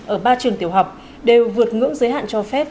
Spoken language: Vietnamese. ở ba trường tiểu học đều vượt ngưỡng giới hạn cho phép